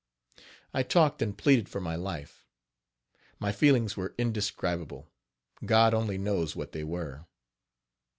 I talked and pleaded for my life. My feelings were indescribable. God only knows what they were.